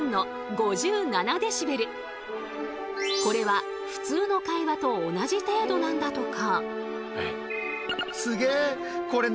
これは普通の会話と同じ程度なんだとか。